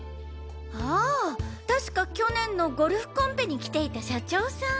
ああ確か去年のゴルフコンペに来ていた社長さん。